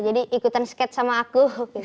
jadi ikutan sketch sama aku